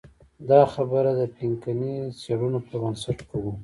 دا خبره د پینکني د څېړنو پر بنسټ کوو.